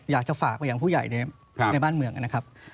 อยากจะฝากไปยังผู้ใหญ่ในบ้านเมืองนะครับ